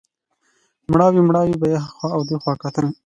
مړاوی مړاوی به یې هخوا او دېخوا کتل.